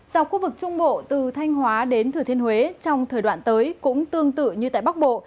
dọc khu vực trung bộ từ thanh hóa đến thừa thiên huế trong thời đoạn tới cũng tương tự như tại bắc bộ